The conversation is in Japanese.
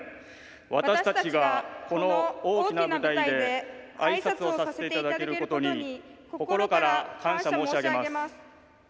私たちが、この大きな舞台で挨拶をさせていただけることに心から感謝申し上げます。